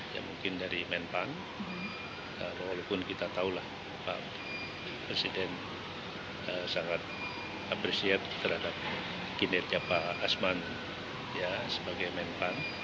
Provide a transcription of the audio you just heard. ya mungkin dari menpan walaupun kita tahu lah pak presiden sangat appreciate terhadap kinerja pak asman sebagai menpan